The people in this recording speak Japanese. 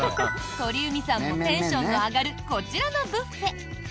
鳥海さんもテンションの上がるこちらのブッフェ。